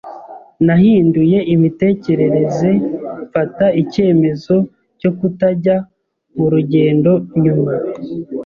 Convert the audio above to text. Nahinduye imitekerereze mfata icyemezo cyo kutajya murugendo nyuma.